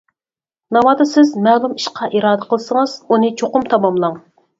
ناۋادا سىز مەلۇم ئىشقا ئىرادە قىلسىڭىز، ئۇنى چوقۇم تاماملاڭ.